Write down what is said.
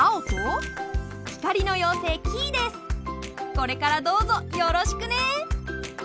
これからどうぞよろしくね！